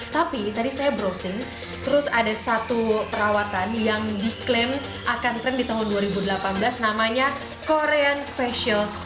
tapi tadi saya browsing terus ada satu perawatan yang diklaim akan trend di tahun dua ribu delapan belas namanya korean facial